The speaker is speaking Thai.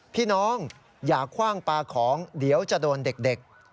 พี่น้องอย่าคว่างปลาของเดี๋ยวจะโดนเด็ก